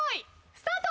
スタート。